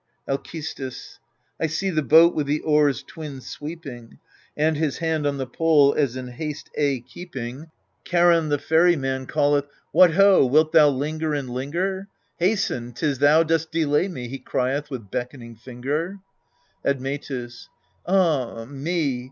Alcestis. I see the boat with the oars twin sweeping, And, his hand on the pole as in haste aye keeping, 208 EURIPIDES Charon the ferryman calleth, " What ho, wilt thou linger and linger? Hasten 'tis thou dost delay me !" he crieth with beckon ing finger. Admetus. Ah me